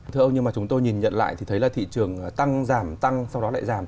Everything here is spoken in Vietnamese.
thưa ông nhưng mà chúng tôi nhìn nhận lại thì thấy là thị trường tăng giảm tăng sau đó lại giảm